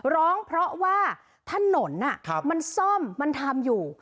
ร้องเพราะว่าถนนมันซ่อมมันทำอยู่